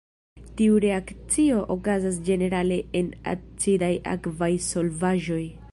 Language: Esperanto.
Tiu reakcio okazas ĝenerale en acidaj akvaj solvaĵoj.